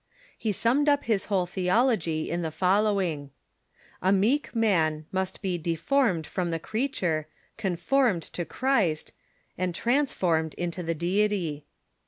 He summed up his whole theology in the follow ing : A meek man must be deformed from the creature, con formed to Christ, and transformed into the Deity.